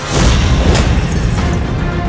hilah kaini mamin